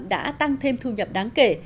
đã tăng thêm thu nhập đáng kể